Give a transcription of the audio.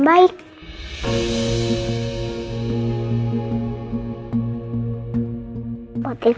buat ikutan bagi bagi makanan